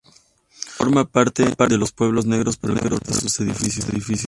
Forma parte de los pueblos negros por el color de sus edificios.